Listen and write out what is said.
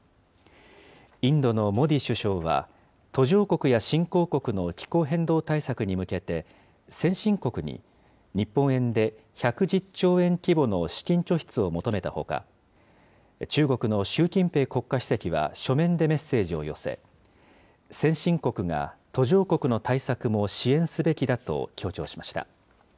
インドのモディ首相は途上国や新興国の気候変動対策に向けて、先進国に、日本円で１１０兆円規模の資金拠出を求めたほか、中国の習近平国家主席は書面でメッセージを寄せ、先進国が途上国の対策も支援すべきだと強調しました。